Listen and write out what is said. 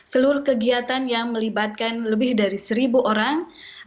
seluruh kegiatan yang melibatkan lebih dari seribu orang